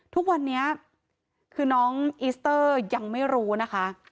ทุกวันนี้คือน้องอิสเตอร์ยังไม่รู้นะคะ